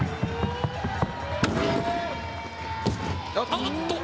あっと。